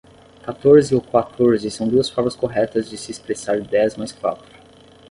Catorze ou quatorze são duas formas corretas de se expressar dez mais quatro